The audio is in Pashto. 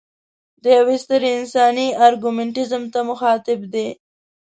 د یوې سترې انساني ارګومنټیزم ته مخاطب دی.